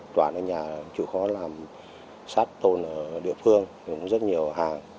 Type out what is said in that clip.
toàn ở nhà chịu khó làm sát tôn ở địa phương cũng rất nhiều hàng